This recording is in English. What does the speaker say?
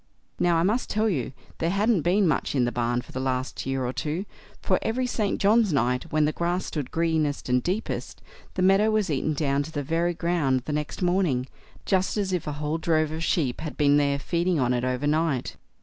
Now, I must tell you, there hadn't been much in the barn for the last year or two, for every St. John's night, when the grass stood greenest and deepest, the meadow was eaten down to the very ground the next morning, just as if a whole drove of sheep had been there feeding on it over night.